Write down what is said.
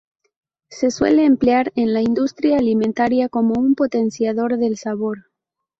Se suele emplear en la industria alimentaria como un potenciador del sabor.